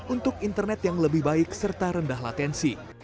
untuk internet yang lebih baik serta rendah latensi